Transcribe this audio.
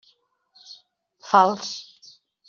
Fals.